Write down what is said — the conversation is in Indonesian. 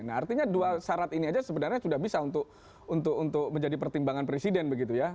nah artinya dua syarat ini aja sebenarnya sudah bisa untuk menjadi pertimbangan presiden begitu ya